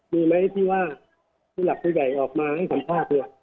มีไหมที่ว่าที่หลักที่ใหญ่ออกมาให้สัมภาพ